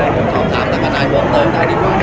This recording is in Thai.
เราเชื่อว่าเรามูลิสุทธิ์ดีกว่าอันนี้พูดอย่างแต่ฝากนะครับ